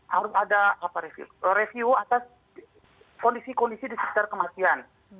harus ada review atas kondisi kondisi di sekitar kematian